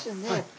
はい。